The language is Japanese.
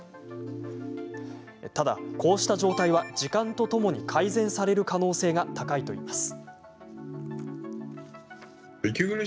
ただ、こうした状態は時間とともに改善される可能性が高いといいます。